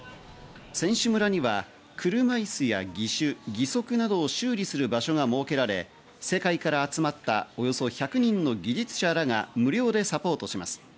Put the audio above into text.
選手村には車椅子や義手、義足などを修理する場所が設けられ、世界から集まったおよそ１００人の技術者らが無料でサポートします。